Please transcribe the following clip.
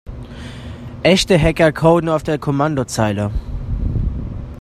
Echte Hacker coden auf der Kommandozeile.